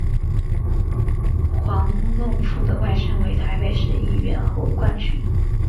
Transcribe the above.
黄孟复的外甥为台北市议员侯冠群。